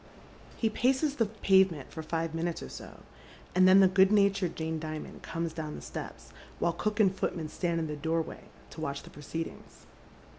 He paces the pavement for five minutes or so, and then the good natured Jane Dimond comes down the steps, while cook and footman stand in the doorway to watch the proceedings.